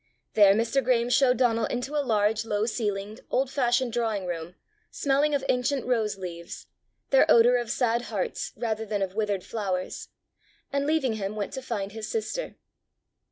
There Mr. Graeme showed Donal into a large, low ceiled, old fashioned drawing room, smelling of ancient rose leaves, their odour of sad hearts rather than of withered flowers and leaving him went to find his sister.